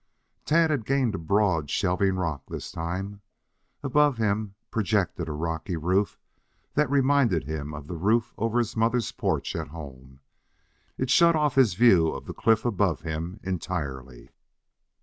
Tad had gained a broad, shelving rock this time. Above him projected a rocky roof that reminded him of the roof over his mother's porch at home. It shut off his view of the cliff above him entirely.